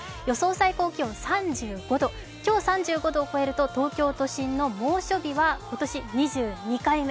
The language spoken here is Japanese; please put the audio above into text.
最高気温３５度、今日、３５度を超えると東京都心の猛暑日は、今年２２回目。